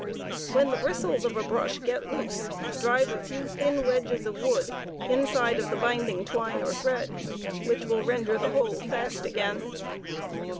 ' When the bristles of a brush get loose,, drive a few thin wedges of wood inside of the binding twine or thread, which will render the whole fast again.